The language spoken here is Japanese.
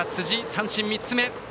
三振３つ目。